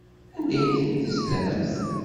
Anda ay tent-tezlamt?